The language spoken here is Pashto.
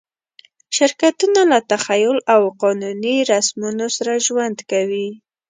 شرکتونه له تخیل او قانوني رسمونو سره ژوند کوي.